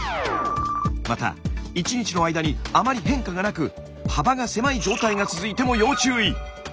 また１日の間にあまり変化がなく幅が狭い状態が続いても要注意。